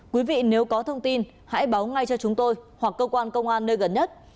quý vị nếu có thông tin hãy báo ngay cho chúng tôi hoặc cơ quan công an nơi gần nhất